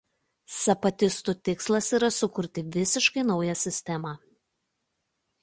Sapatistų tikslas yra sukurti visiškai naują sistemą.